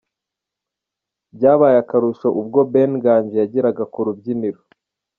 Byabaye akarusho ubwo Ben Nganji yageraga ku rubyiniro.